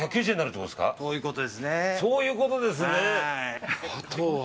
そういうことですね。